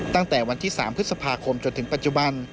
ตั้งแต่วันที่๓พฤษภาคมจนถึงปัจจุบัน